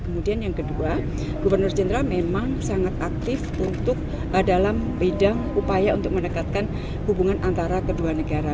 kemudian yang kedua gubernur jenderal memang sangat aktif untuk dalam bidang upaya untuk mendekatkan hubungan antara kedua negara